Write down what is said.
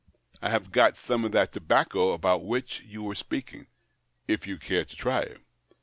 I have got some of that tobacco about which you were speaking, if you care to try it."